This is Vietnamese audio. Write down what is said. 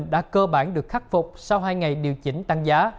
đã cơ bản được khắc phục sau hai ngày điều chỉnh tăng giá